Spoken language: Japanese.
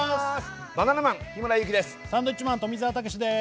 バナナマン、日村勇紀です。